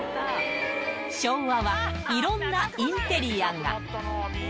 昭和は、いろんなインテリアが。